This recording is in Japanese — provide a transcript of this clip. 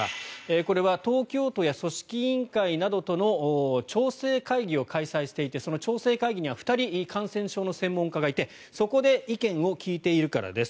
これは東京都や組織委員会などとの調整会議を開催していてその調整会議には２人、感染症の専門家がいてそこで意見を聞いているからです。